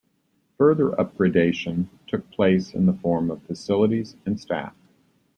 Further upgradation took place in the form of facilities and staff.